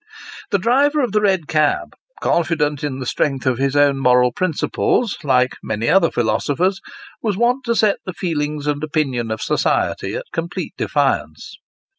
The driver of the red cab, confident in the strength of his moral principles, like many other philosophers, was wont to set the feelings and opinions of society at complete defiance.